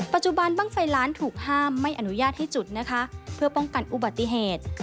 ปัจจุบันบ้างไฟล้านถูกห้ามไม่อนุญาตให้จุดนะคะเพื่อป้องกันอุบัติเหตุ